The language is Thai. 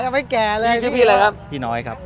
พี่ชื่อพี่อะไรครับ